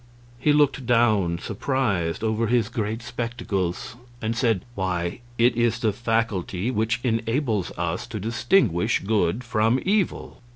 He looked down, surprised, over his great spectacles, and said, "Why, it is the faculty which enables us to distinguish good from evil."